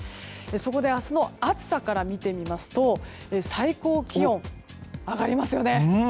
そこで明日の暑さから見てみますと最高気温、上がりますよね。